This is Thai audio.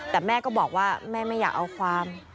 แต่แม่ก็บอกว่าแม่ไม่อยากเอาความ